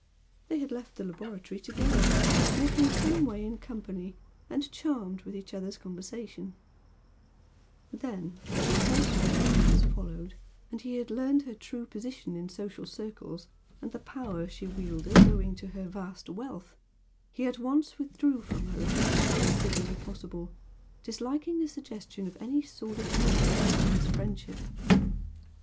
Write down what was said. They had left the laboratory together, walking some way in company and charmed with each other's conversation, then, when closer acquaintance followed, and he had learned her true position in social circles and the power she wielded owing to her vast wealth, he at once withdrew from her as much as was civilly possible, disliking the suggestion of any sordid motive for his friendship.